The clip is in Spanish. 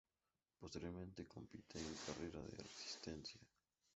Posteriormente compite en carreras de resistencia.